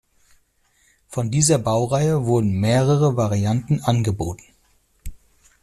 Von dieser Baureihe wurden mehrere Varianten angeboten.